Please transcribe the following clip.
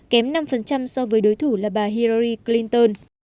kém năm so với đối thủ là bà hirary clinton